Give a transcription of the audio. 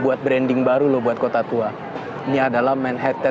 bahkan kemarin pak menteri pemerintah juga bilang ya ini juga kawasan heritage nya di luar sana